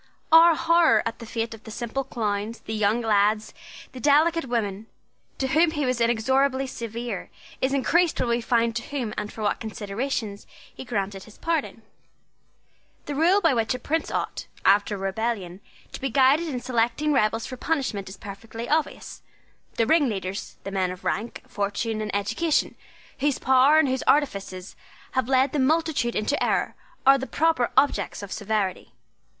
Our horror at the fate of the simple clowns, the young lads, the delicate women, to whom he was inexorably severe, is increased when we find to whom and for what considerations he granted his pardon. The rule by which a prince ought, after a rebellion, to be guided in selecting rebels for punishment is perfectly obvious. The ringleaders, the men of rank, fortune, and education, whose power and whose artifices have led the multitude into error, are the proper objects of severity.